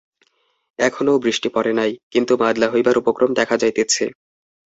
এখনও বৃষ্টি পড়ে নাই, কিন্তু বাদলা হইবার উপক্রম দেখা যাইতেছে।